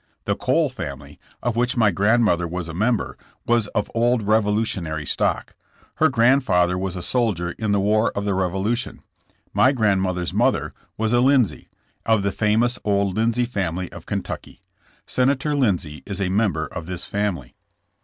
The Cole family, of which my grandmother was a member, was of old Revolutionary stock. Her grandfather was a soldier in the war of the Revolution. My grand mother's mother was a Lindsay, of the famous old Lindsay family of Kentucky. Senator Lindsay is a member of this family.